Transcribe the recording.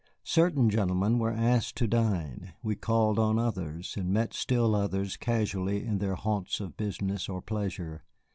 Certain gentlemen were asked to dine, we called on others, and met still others casually in their haunts of business or pleasure.